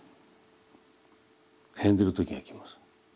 変ずる時が来ます。